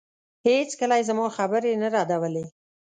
هېڅکله يې زما خبرې نه ردولې.